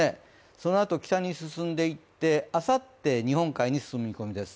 そのあと北に進んでいってあさって日本海に進む見込みです。